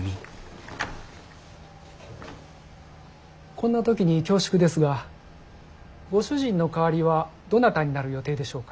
こんな時に恐縮ですがご主人の代わりはどなたになる予定でしょうか？